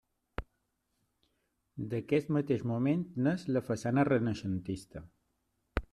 D'aquest mateix moment n'és la façana renaixentista.